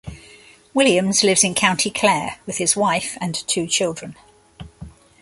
Williams lives in County Clare with his wife and two children.